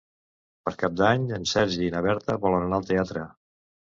Per Cap d'Any en Sergi i na Berta volen anar al teatre.